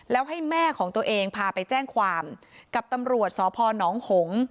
แล้วให้แม่ของตัวเองพาไปแจ้งความกับตำรวจสพนหง